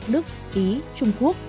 đức ý trung quốc